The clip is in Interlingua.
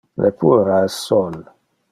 Le puera es sol.